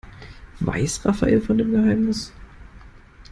Weiß Rafael von dem Geheimnis?